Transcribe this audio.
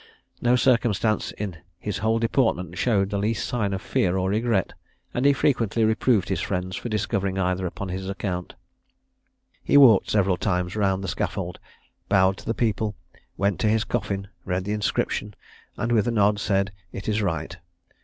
No circumstance in his whole deportment showed the least sign of fear or regret; and he frequently reproved his friends for discovering either upon his account. He walked several times round the scaffold, bowed to the people, went to his coffin, read the inscription, and, with a nod, said, "It is right."